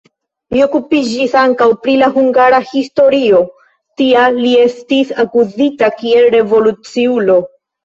Li okupiĝis ankaŭ pri la hungara historio, tial li estis akuzita kiel revoluciulo.